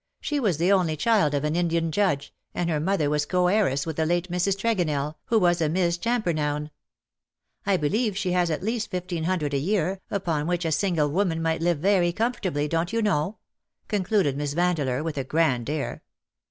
She was the only child of an Indian judge^ and her mother was co heiress with the late Mrs. Tregonell, who was a Miss Champernowne — I believe she has at least fifteen hundred a year, upon which a single woman might live very comfortably, don^t you know,^^ concluded Miss Vandeleur with a grand air.